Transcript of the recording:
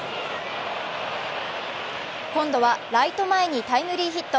今度はライト前にタイムリーヒット。